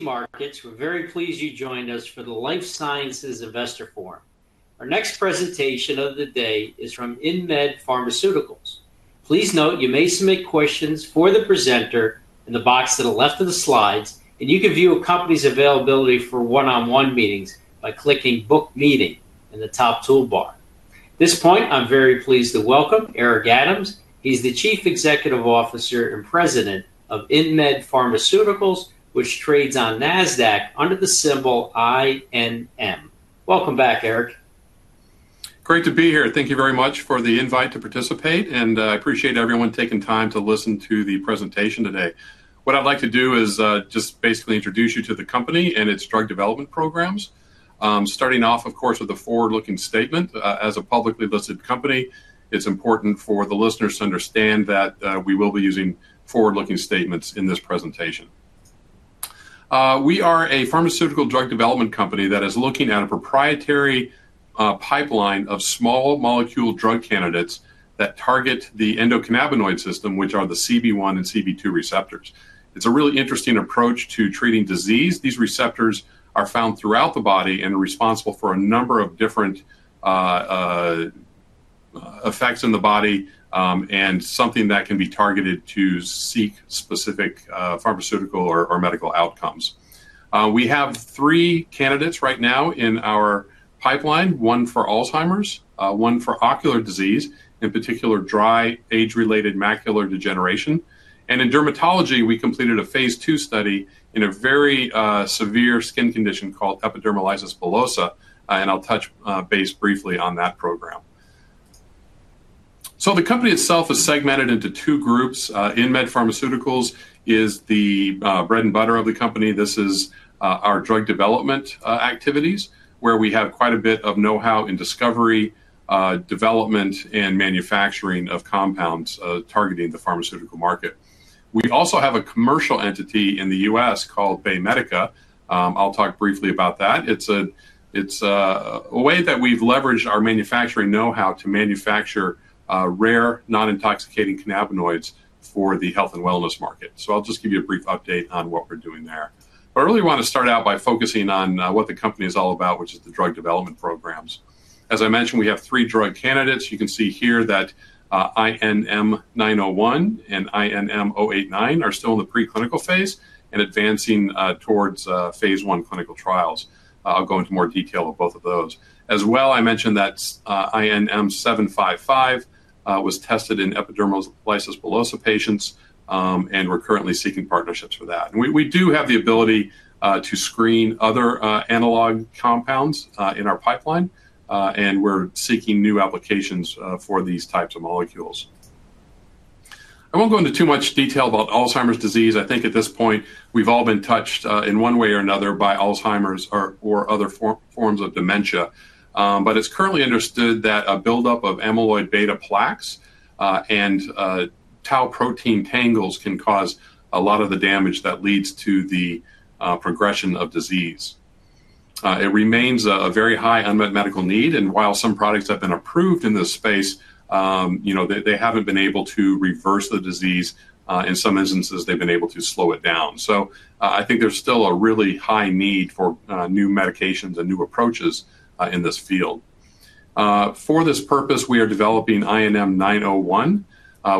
Markets, we're very pleased you joined us for the Life Sciences Investor Forum. Our next presentation of the day is from InMed Pharmaceuticals. Please note you may submit questions for the presenter in the box to the left of the slides, and you can view a company's availability for one-on-one meetings by clicking "Book Meeting" in the top toolbar. At this point, I'm very pleased to welcome Eric A. Adams. He's the Chief Executive Officer and President of InMed Pharmaceuticals, which trades on NASDAQ under the symbol INM. Welcome back, Eric. Great to be here. Thank you very much for the invite to participate, and I appreciate everyone taking time to listen to the presentation today. What I'd like to do is just basically introduce you to the company and its drug development programs. Starting off, of course, with the forward-looking statement. As a publicly listed company, it's important for the listeners to understand that we will be using forward-looking statements in this presentation. We are a pharmaceutical drug development company that is looking at a proprietary pipeline of small molecule drug candidates that target the endocannabinoid system, which are the CB1 and CB2 receptors. It's a really interesting approach to treating disease. These receptors are found throughout the body and are responsible for a number of different effects in the body and something that can be targeted to seek specific pharmaceutical or medical outcomes. We have three candidates right now in our pipeline: one for Alzheimer's, one for ocular disease, in particular dry age-related macular degeneration, and in dermatology, we completed a phase two study in a very severe skin condition called epidermolysis bullosa, and I'll touch base briefly on that program. The company itself is segmented into two groups. InMed Pharmaceuticals is the bread and butter of the company. This is our drug development activities, where we have quite a bit of know-how in discovery, development, and manufacturing of compounds targeting the pharmaceutical market. We also have a commercial entity in the United States called BayMedica. I'll talk briefly about that. It's a way that we've leveraged our manufacturing know-how to manufacture rare, non-intoxicating cannabinoids for the health and wellness market. I'll just give you a brief update on what we're doing there. I really want to start out by focusing on what the company is all about, which is the drug development programs. As I mentioned, we have three drug candidates. You can see here that INM-901 and INM-089 are still in the preclinical phase and advancing towards phase one clinical trials. I'll go into more detail of both of those. As well, I mentioned that INM-755 was tested in epidermolysis bullosa patients, and we're currently seeking partnerships for that. We do have the ability to screen other analog compounds in our pipeline, and we're seeking new applications for these types of molecules. I won't go into too much detail about Alzheimer's disease. I think at this point, we've all been touched in one way or another by Alzheimer's or other forms of dementia, but it's currently understood that a buildup of amyloid beta plaques and tau protein tangles can cause a lot of the damage that leads to the progression of disease. It remains a very high unmet medical need, and while some products have been approved in this space, they haven't been able to reverse the disease. In some instances, they've been able to slow it down. I think there's still a really high need for new medications and new approaches in this field. For this purpose, we are developing INM-901,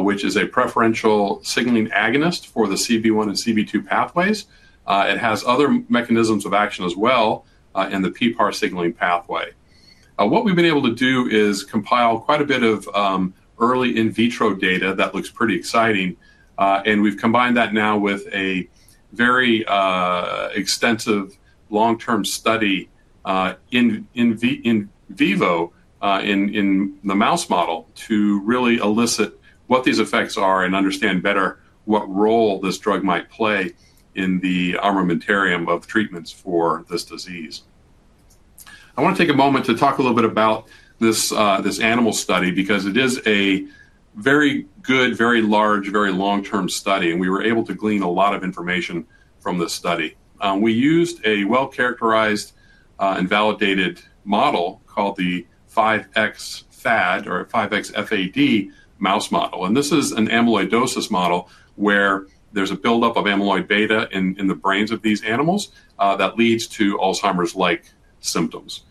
which is a preferential signaling agonist for the CB1 and CB2 pathways. It has other mechanisms of action as well in the PPAR signaling pathway. What we've been able to do is compile quite a bit of early in vitro data that looks pretty exciting, and we've combined that now with a very extensive long-term study in vivo in the mouse model to really elicit what these effects are and understand better what role this drug might play in the armamentarium of treatments for this disease. I want to take a moment to talk a little bit about this animal study because it is a very good, very large, very long-term study, and we were able to glean a lot of information from this study. We used a well-characterized and validated model called the 5X FAD or 5X FAD mouse model, and this is an amyloidosis model where there's a buildup of amyloid beta in the brains of these animals that leads to Alzheimer's-like symptoms.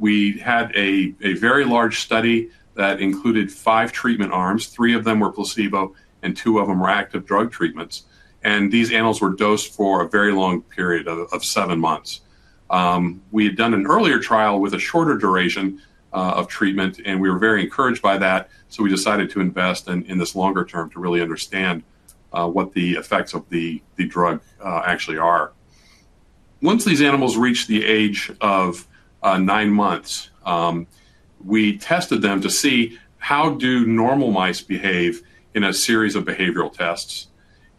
We had a very large study that included five treatment arms. Three of them were placebo and two of them were active drug treatments, and these animals were dosed for a very long period of seven months. We had done an earlier trial with a shorter duration of treatment, and we were very encouraged by that, so we decided to invest in this longer term to really understand what the effects of the drug actually are. Once these animals reached the age of nine months, we tested them to see how do normal mice behave in a series of behavioral tests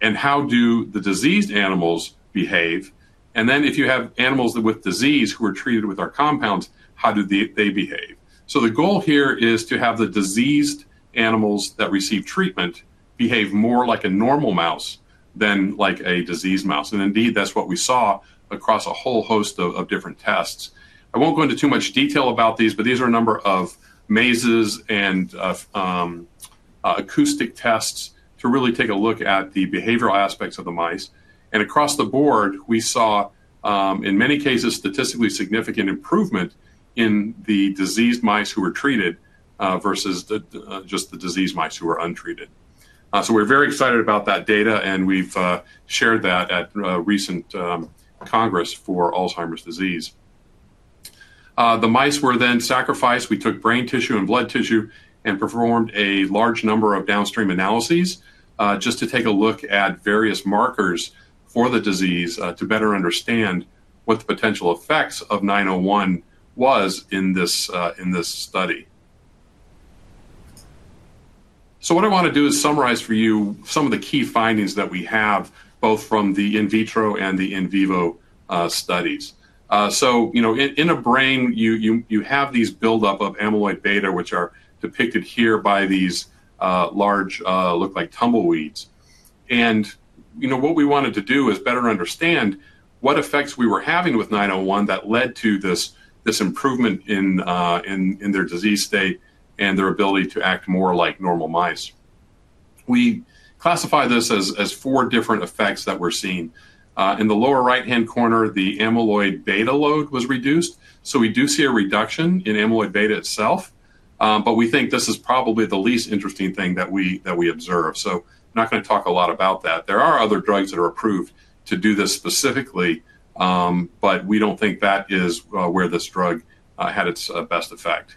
and how do the diseased animals behave. If you have animals with disease who are treated with our compounds, how do they behave? The goal here is to have the diseased animals that receive treatment behave more like a normal mouse than like a diseased mouse, and indeed, that's what we saw across a whole host of different tests. I won't go into too much detail about these, but these are a number of MESs and acoustic tests to really take a look at the behavioral aspects of the mice. Across the board, we saw, in many cases, statistically significant improvement in the diseased mice who were treated versus just the diseased mice who were untreated. We're very excited about that data, and we've shared that at a recent Congress for Alzheimer's disease. The mice were then sacrificed. We took brain tissue and blood tissue and performed a large number of downstream analyses just to take a look at various markers for the disease to better understand what the potential effects of INM-901 was in this study. What I want to do is summarize for you some of the key findings that we have both from the in vitro and the in vivo studies. In a brain, you have these buildups of amyloid beta, which are depicted here by these large look like tumbleweeds. What we wanted to do is better understand what effects we were having with INM-901 that led to this improvement in their disease state and their ability to act more like normal mice. We classify this as four different effects that we're seeing. In the lower right-hand corner, the amyloid beta load was reduced. We do see a reduction in amyloid beta itself, but we think this is probably the least interesting thing that we observed. I'm not going to talk a lot about that. There are other drugs that are approved to do this specifically, but we don't think that is where this drug had its best effect.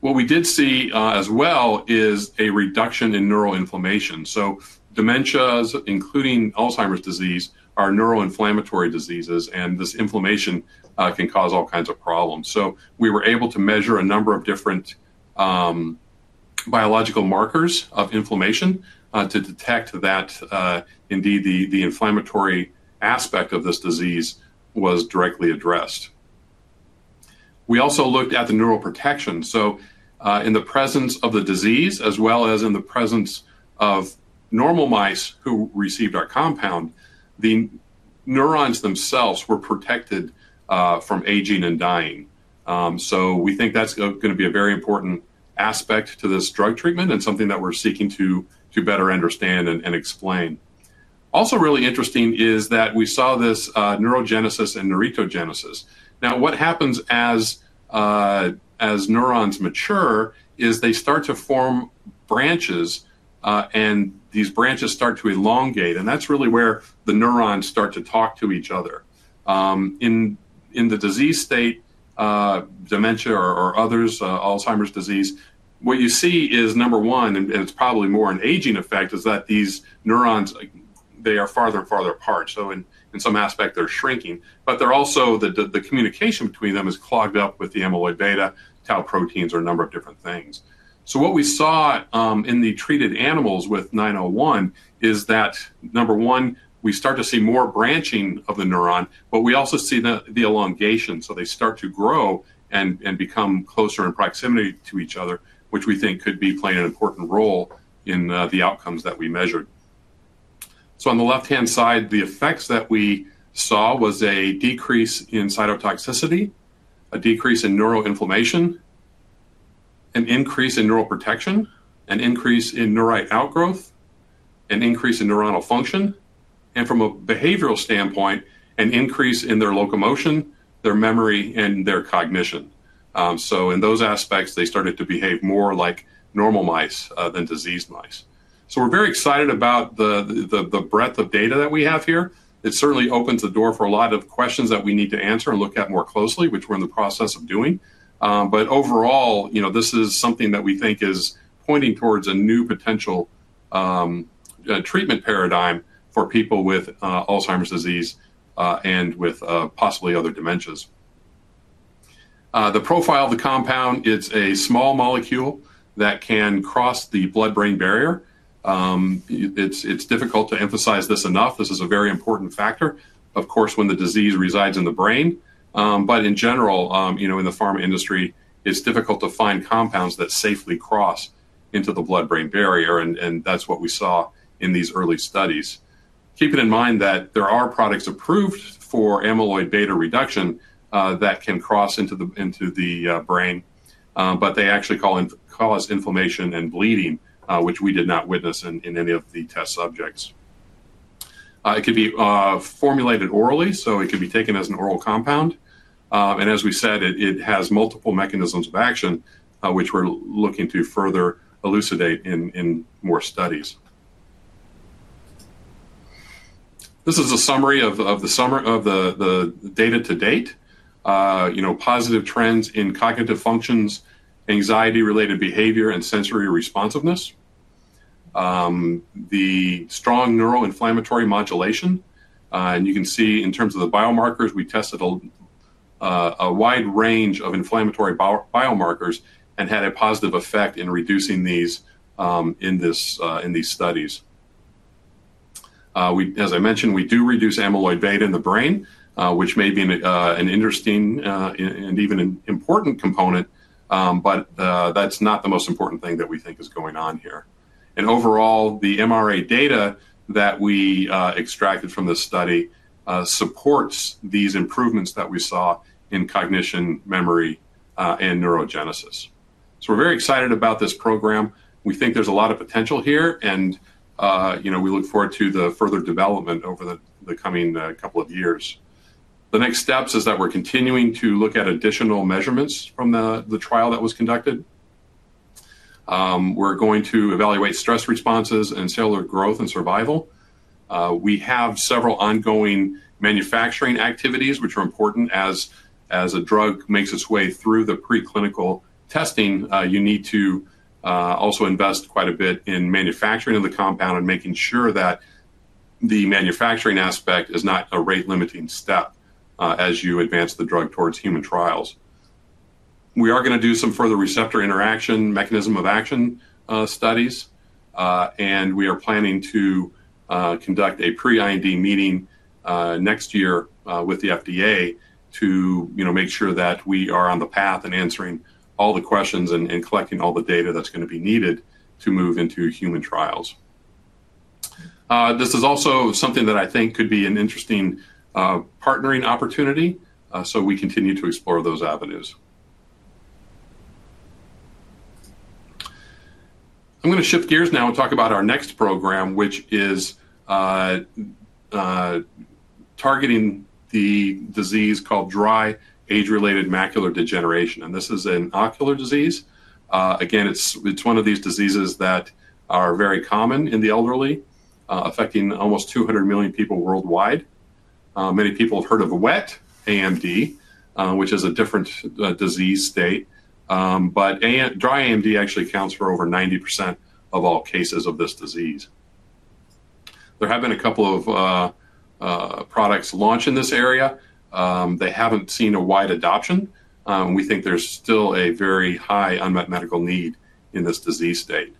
What we did see as well is a reduction in neuroinflammation. Dementias, including Alzheimer's disease, are neuroinflammatory diseases, and this inflammation can cause all kinds of problems. We were able to measure a number of different biological markers of inflammation to detect that indeed the inflammatory aspect of this disease was directly addressed. We also looked at the neuroprotection. In the presence of the disease as well as in the presence of normal mice who received our compound, the neurons themselves were protected from aging and dying. We think that's going to be a very important aspect to this drug treatment and something that we're seeking to better understand and explain. Also, really interesting is that we saw this neurogenesis and neuritogenesis. Now, what happens as neurons mature is they start to form branches, and these branches start to elongate, and that's really where the neurons start to talk to each other. In the disease state, dementia or others, Alzheimer's disease, what you see is, number one, and it's probably more an aging effect, is that these neurons, they are farther and farther apart. In some aspect, they're shrinking, but they're also, the communication between them is clogged up with the amyloid beta, tau proteins, or a number of different things. What we saw in the treated animals with INM-901 is that, number one, we start to see more branching of the neuron, but we also see the elongation. They start to grow and become closer in proximity to each other, which we think could be playing an important role in the outcomes that we measured. On the left-hand side, the effects that we saw were a decrease in cytotoxicity, a decrease in neuroinflammation, an increase in neuroprotection, an increase in neurite outgrowth, an increase in neuronal function, and from a behavioral standpoint, an increase in their locomotion, their memory, and their cognition. In those aspects, they started to behave more like normal mice than diseased mice. We're very excited about the breadth of data that we have here. It certainly opens the door for a lot of questions that we need to answer and look at more closely, which we're in the process of doing. Overall, this is something that we think is pointing towards a new potential treatment paradigm for people with Alzheimer's disease and with possibly other dementias. The profile of the compound, it's a small molecule that can cross the blood-brain barrier. It's difficult to emphasize this enough. This is a very important factor, of course, when the disease resides in the brain. In general, in the pharma industry, it's difficult to find compounds that safely cross into the blood-brain barrier, and that's what we saw in these early studies. Keeping in mind that there are products approved for amyloid beta reduction that can cross into the brain, but they actually cause inflammation and bleeding, which we did not witness in any of the test subjects. It could be formulated orally, so it could be taken as an oral compound. As we said, it has multiple mechanisms of action, which we're looking to further elucidate in more studies. This is a summary of the data to date: positive trends in cognitive functions, anxiety-related behavior, and sensory responsiveness, the strong neuroinflammatory modulation. You can see in terms of the biomarkers, we tested a wide range of inflammatory biomarkers and had a positive effect in reducing these in these studies. As I mentioned, we do reduce amyloid beta in the brain, which may be an interesting and even an important component, but that's not the most important thing that we think is going on here. Overall, the MRA data that we extracted from this study supports these improvements that we saw in cognition, memory, and neurogenesis. We're very excited about this program. We think there's a lot of potential here, and we look forward to the further development over the coming couple of years. The next steps are that we're continuing to look at additional measurements from the trial that was conducted. We're going to evaluate stress responses and cellular growth and survival. We have several ongoing manufacturing activities, which are important as a drug makes its way through the preclinical testing. You need to also invest quite a bit in manufacturing of the compound and making sure that the manufacturing aspect is not a rate-limiting step as you advance the drug towards human trials. We are going to do some further receptor interaction mechanism of action studies, and we are planning to conduct a pre-IND meeting next year with the FDA to make sure that we are on the path and answering all the questions and collecting all the data that's going to be needed to move into human trials. This is also something that I think could be an interesting partnering opportunity, so we continue to explore those avenues. I'm going to shift gears now and talk about our next program, which is targeting the disease called dry age-related macular degeneration. This is an ocular disease. Again, it's one of these diseases that are very common in the elderly, affecting almost 200 million people worldwide. Many people have heard of wet AMD, which is a different disease state, but dry AMD actually accounts for over 90% of all cases of this disease. There have been a couple of products launched in this area. They haven't seen a wide adoption. We think there's still a very high unmet medical need in this disease state.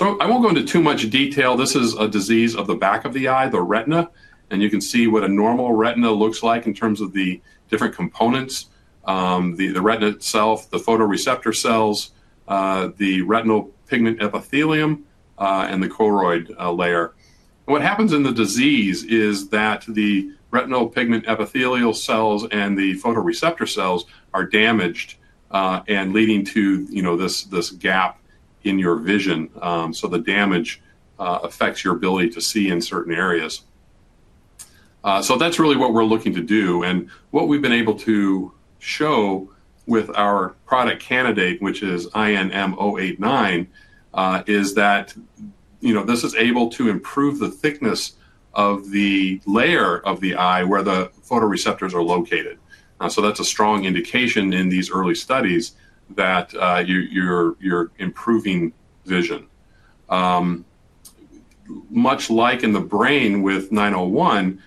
I won't go into too much detail. This is a disease of the back of the eye, the retina, and you can see what a normal retina looks like in terms of the different components: the retina itself, the photoreceptor cells, the retinal pigment epithelium, and the choroid layer. What happens in the disease is that the retinal pigment epithelial cells and the photoreceptor cells are damaged, leading to this gap in your vision. The damage affects your ability to see in certain areas. That's really what we're looking to do. What we've been able to show with our product candidate, which is INM-089, is that this is able to improve the thickness of the layer of the eye where the photoreceptors are located. That's a strong indication in these early studies that you're improving vision. Much like in the brain with 901,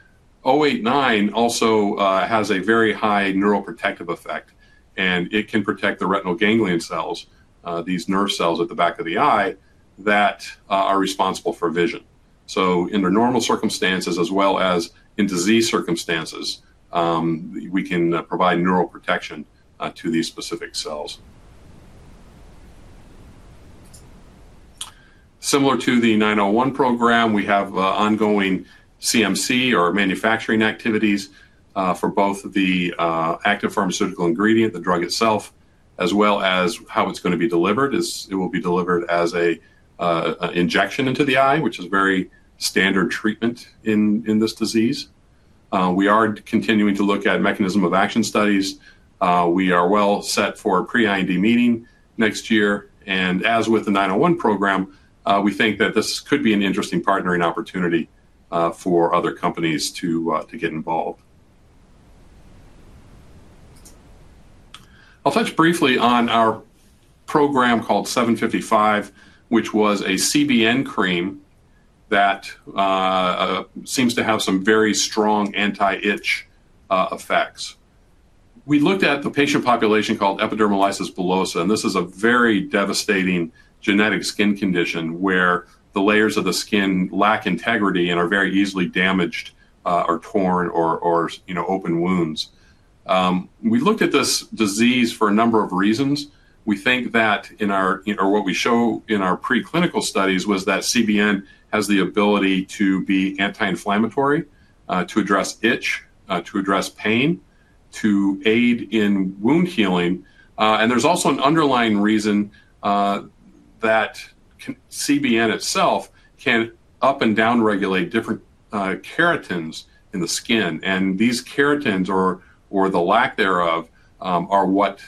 089 also has a very high neuroprotective effect, and it can protect the retinal ganglion cells, these nerve cells at the back of the eye that are responsible for vision. In the normal circumstances as well as in disease circumstances, we can provide neuroprotection to these specific cells. Similar to the 901 program, we have ongoing CMC or manufacturing activities for both the active pharmaceutical ingredient, the drug itself, as well as how it's going to be delivered. It will be delivered as an injection into the eye, which is a very standard treatment in this disease. We are continuing to look at mechanism of action studies. We are well set for a pre-IND meeting next year. As with the 901 program, we think that this could be an interesting partnering opportunity for other companies to get involved. I'll touch briefly on our program called 755, which was a CBN cream that seems to have some very strong anti-itch effects. We looked at the patient population called epidermolysis bullosa, and this is a very devastating genetic skin condition where the layers of the skin lack integrity and are very easily damaged or torn or open wounds. We looked at this disease for a number of reasons. We think that what we show in our preclinical studies was that CBN has the ability to be anti-inflammatory, to address itch, to address pain, to aid in wound healing. There's also an underlying reason that CBN itself can up and down-regulate different keratins in the skin, and these keratins, or the lack thereof, are what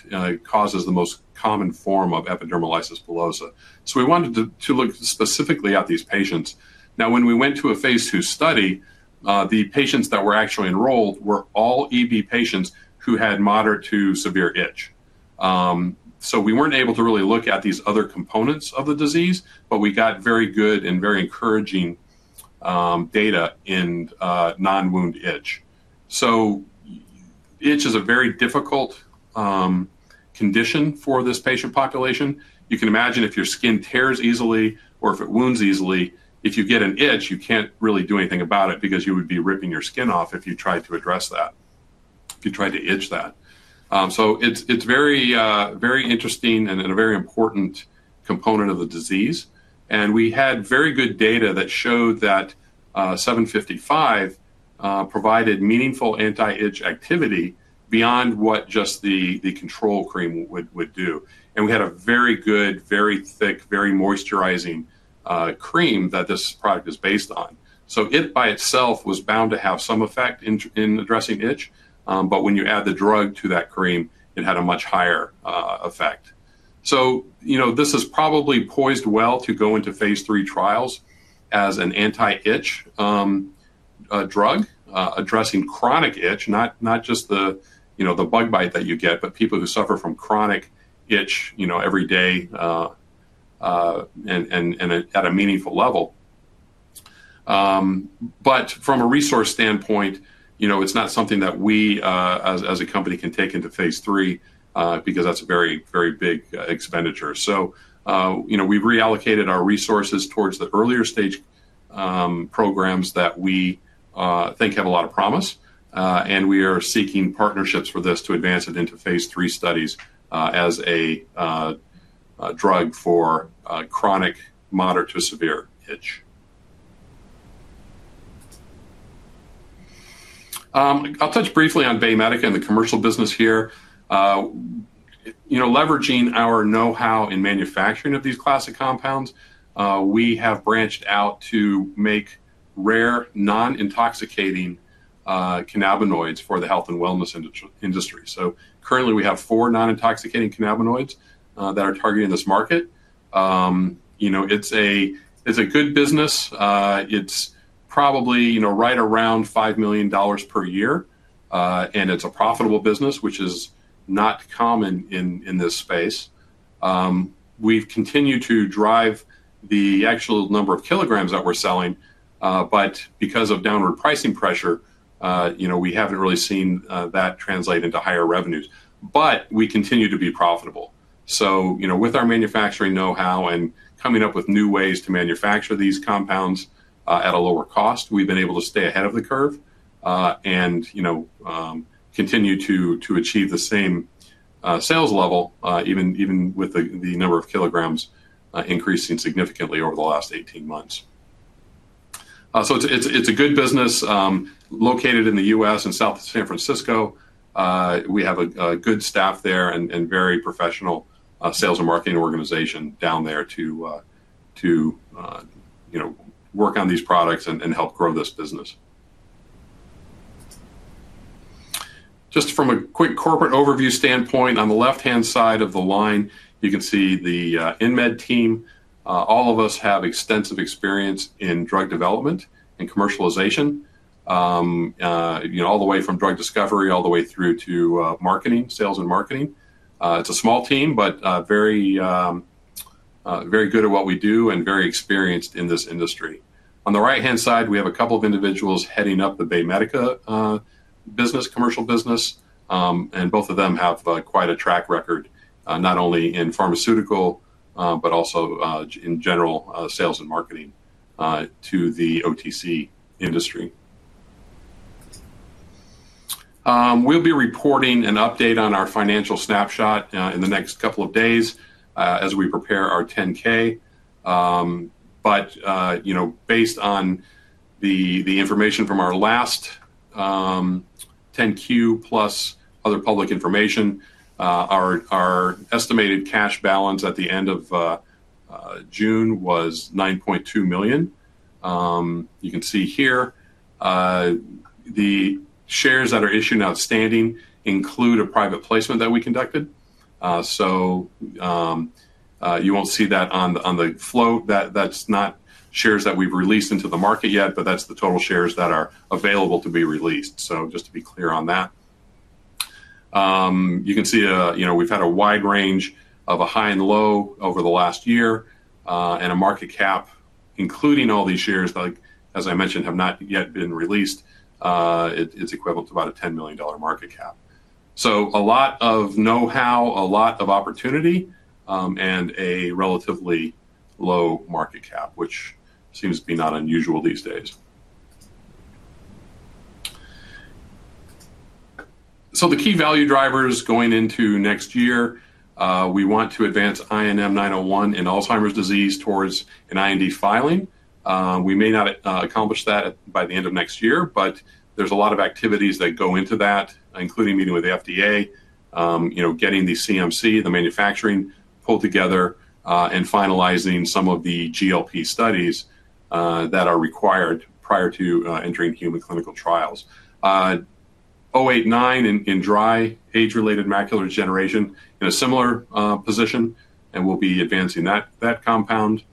causes the most common form of epidermolysis bullosa. We wanted to look specifically at these patients. Now, when we went to a phase two study, the patients that were actually enrolled were all ED patients who had moderate to severe itch. We weren't able to really look at these other components of the disease, but we got very good and very encouraging data in non-wound itch. Itch is a very difficult condition for this patient population. You can imagine if your skin tears easily or if it wounds easily, if you get an itch, you can't really do anything about it because you would be ripping your skin off if you tried to address that, if you tried to itch that. It is very interesting and a very important component of the disease. We had very good data that showed that INM-755 provided meaningful anti-itch activity beyond what just the control cream would do. We had a very good, very thick, very moisturizing cream that this product is based on. It by itself was bound to have some effect in addressing itch, but when you add the drug to that cream, it had a much higher effect. This is probably poised well to go into phase three trials as an anti-itch drug addressing chronic itch, not just the bug bite that you get, but people who suffer from chronic itch every day and at a meaningful level. From a resource standpoint, it's not something that we as a company can take into phase three because that's a very big expenditure. We reallocated our resources towards the earlier stage programs that we think have a lot of promise, and we are seeking partnerships for this to advance it into phase three studies as a drug for chronic moderate to severe itch. I'll touch briefly on BayMedica and the commercial business here. Leveraging our know-how in manufacturing of these classic compounds, we have branched out to make rare, non-intoxicating cannabinoids for the health and wellness industry. Currently, we have four non-intoxicating cannabinoids that are targeting this market. It's a good business. It's probably right around $5 million per year, and it's a profitable business, which is not common in this space. We've continued to drive the actual number of kilograms that we're selling, but because of downward pricing pressure, we haven't really seen that translate into higher revenues, but we continue to be profitable. With our manufacturing know-how and coming up with new ways to manufacture these compounds at a lower cost, we've been able to stay ahead of the curve and continue to achieve the same sales level, even with the number of kilograms increasing significantly over the last 18 months. It's a good business located in the U.S. and South San Francisco. We have a good staff there and a very professional sales and marketing organization down there to work on these products and help grow this business. Just from a quick corporate overview standpoint, on the left-hand side of the line, you can see the InMed team. All of us have extensive experience in drug development and commercialization, all the way from drug discovery all the way through to marketing, sales and marketing. It's a small team, but very good at what we do and very experienced in this industry. On the right-hand side, we have a couple of individuals heading up the BayMedica business, commercial business, and both of them have quite a track record, not only in pharmaceutical but also in general sales and marketing to the OTC industry. We'll be reporting an update on our financial snapshot in the next couple of days as we prepare our 10-K. Based on the information from our last 10-Q plus other public information, our estimated cash balance at the end of June was $9.2 million. You can see here the shares that are issued outstanding include a private placement that we conducted. You won't see that on the float. That's not shares that we've released into the market yet, but that's the total shares that are available to be released. Just to be clear on that, you can see we've had a wide range of a high and low over the last year and a market cap, including all these shares that, as I mentioned, have not yet been released. It's equivalent to about a $10 million market cap. A lot of know-how, a lot of opportunity, and a relatively low market cap, which seems to be not unusual these days. The key value drivers going into next year, we want to advance INM-901 and Alzheimer's disease towards an IND filing. We may not accomplish that by the end of next year, but there's a lot of activities that go into that, including meeting with the FDA, getting the CMC, the manufacturing, pulled together, and finalizing some of the GLP studies that are required prior to entering human clinical trials. INM-089 in dry age-related macular degeneration is in a similar position and will be advancing that compound.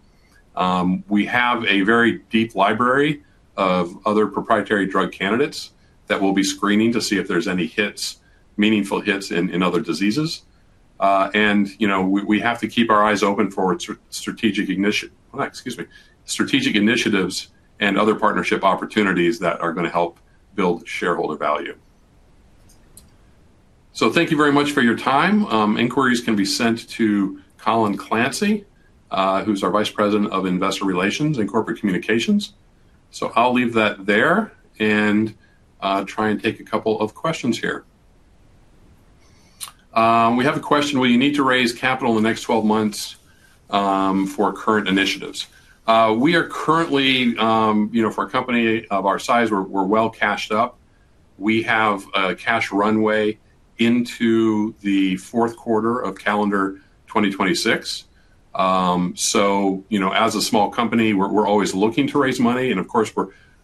We have a very deep library of other proprietary drug candidates that we'll be screening to see if there's any hits, meaningful hits in other diseases. We have to keep our eyes open for strategic initiatives and other partnership opportunities that are going to help build shareholder value. Thank you very much for your time. Inquiries can be sent to Colin Clancy, who's our Vice President of Investor Relations and Corporate Communications. I'll leave that there and try and take a couple of questions here. We have a question. Will you need to raise capital in the next 12 months for current initiatives? We are currently, for a company of our size, we're well cashed up. We have a cash runway into the fourth quarter of calendar 2026. As a small company, we're always looking to raise money, and of course,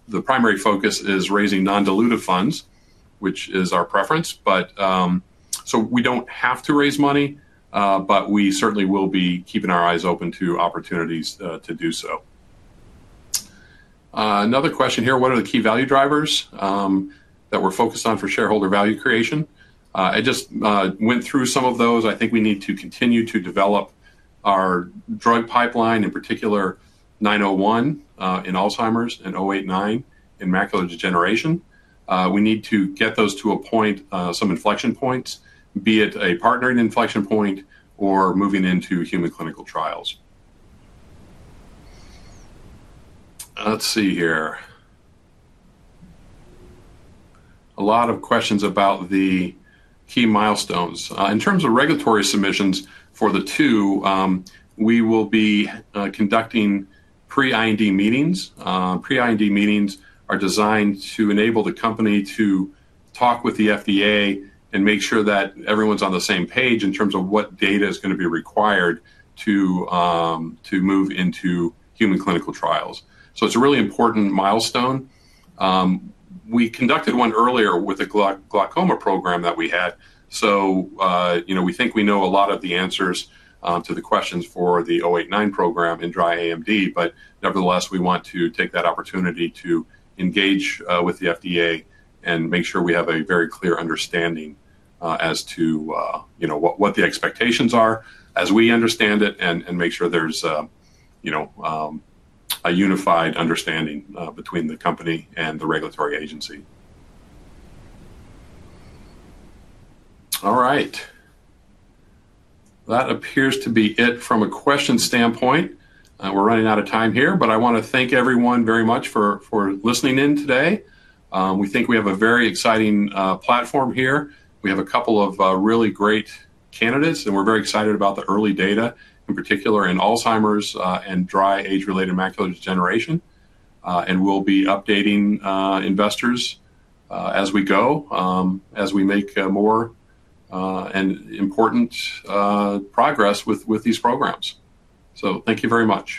the primary focus is raising non-dilutive funds, which is our preference. We don't have to raise money, but we certainly will be keeping our eyes open to opportunities to do so. Another question here. What are the key value drivers that we're focused on for shareholder value creation? I just went through some of those. I think we need to continue to develop our drug pipeline, in particular, 901 in Alzheimer's and 089 in macular degeneration. We need to get those to a point, some inflection points, be it a partnering inflection point or moving into human clinical trials. Let's see here. A lot of questions about the key milestones. In terms of regulatory submissions for the two, we will be conducting pre-IND meetings. Pre-IND meetings are designed to enable the company to talk with the FDA and make sure that everyone's on the same page in terms of what data is going to be required to move into human clinical trials. It's a really important milestone. We conducted one earlier with the glaucoma program that we had. We think we know a lot of the answers to the questions for the 089 program in dry AMD, but nevertheless, we want to take that opportunity to engage with the FDA and make sure we have a very clear understanding as to what the expectations are as we understand it and make sure there's a unified understanding between the company and the regulatory agency. All right. That appears to be it from a question standpoint. We're running out of time here, but I want to thank everyone very much for listening in today. We think we have a very exciting platform here. We have a couple of really great candidates, and we're very excited about the early data, in particular in Alzheimer's and dry age-related macular degeneration. We'll be updating investors as we go, as we make more and important progress with these programs. Thank you very much.